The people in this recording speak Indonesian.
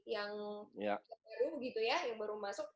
yang baru masuk